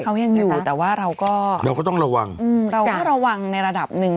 เขายังอยู่แต่ว่าเราก็เราก็ต้องระวังอืมเราก็ระวังในระดับหนึ่ง